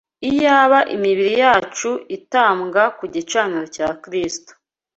Iyaba imibiri yacu itambwa ku gicaniro cya Kristo